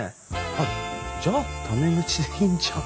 あっじゃあタメ口でいいじゃん。